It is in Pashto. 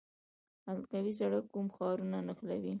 حلقوي سړک کوم ښارونه نښلوي؟